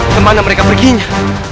kemana mereka berkini